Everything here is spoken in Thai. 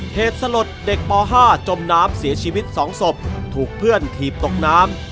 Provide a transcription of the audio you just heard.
เหตุสลดเด็กป๕จมน้ำเสียชีวิต๒ศพถูกเพื่อนถีบตกน้ำ